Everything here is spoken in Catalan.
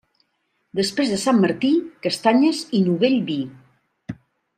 Després de Sant Martí, castanyes i novell vi.